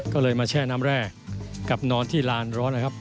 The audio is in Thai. ก็เลยมาแช่น้ำแร่กับนอนที่ลานร้อนนะครับ